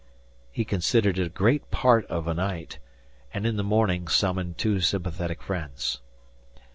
He considered it a great part of a night, and in the morning summoned two sympathetic friends.